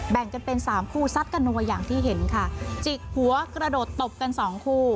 แบ่งกันเป็นสามคู่ซัดกันนัวอย่างที่เห็นค่ะจิกหัวกระโดดตบกันสองคู่